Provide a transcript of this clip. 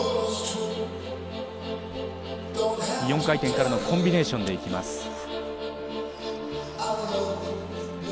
４回転からのコンビネーションで行きます。